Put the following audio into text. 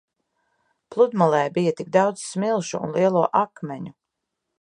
Pludmalē bija tik daudz smilšu un lielo akmeņu.